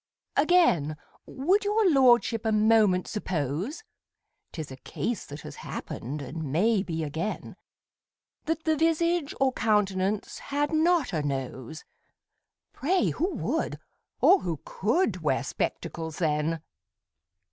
Again, would your lordship a moment suppose ('Tis a case that has happened, and may be again) That the visage or countenance had not a nose, Pray who would, or who could, wear spectacles then!